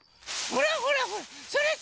これ。